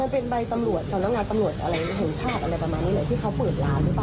เป็นใบตำรวจสำนักงานตำรวจอะไรแห่งชาติอะไรประมาณนี้แหละที่เขาเปิดร้านหรือเปล่า